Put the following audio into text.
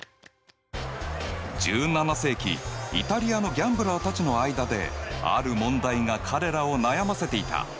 １７世紀イタリアのギャンブラーたちの間である問題が彼らを悩ませていた。